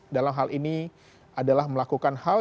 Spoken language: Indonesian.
dalam hal ini adalah melakukan hal